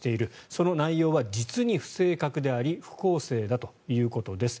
その内容は実に不正確であり不公正だということです。